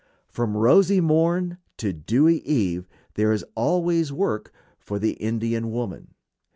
"From rosy morn to dewy eve" there is always work for the Indian woman.